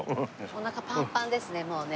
おなかパンパンですねもうね。